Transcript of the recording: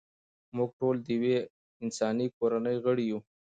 موږ ټول د یوې انساني کورنۍ غړي یو.